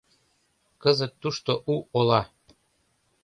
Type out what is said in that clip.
Кызыт тушто у ола